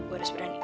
gue harus berani